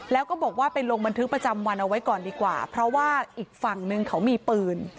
แล้วก็บอกว่าไปลงบันทึกประจำวันเอาไว้ก่อนดีกว่าเพราะว่าอีกฝั่งนึงเขามีปืน